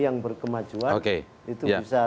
yang berkemajuan itu bisa